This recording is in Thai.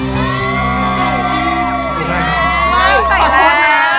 ต่อมาผมคิดว่านี่ทำรัก